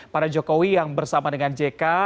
para jokowi yang bersama dengan jk